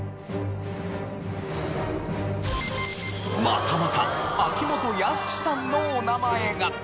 またまた秋元康さんのお名前が！